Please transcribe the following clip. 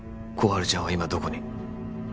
春ちゃんは今どこに？